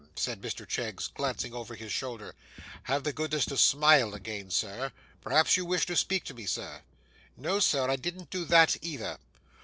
said Mr Cheggs, glancing over his shoulder, 'have the goodness to smile again, sir. Perhaps you wished to speak to me, sir.' 'No, sir, I didn't do that, either.